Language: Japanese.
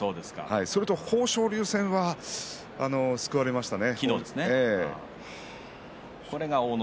それと豊昇龍戦は救われましたね。